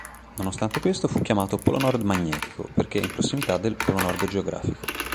Nonostante questo fu chiamato polo nord magnetico perché in prossimità del polo nord geografico.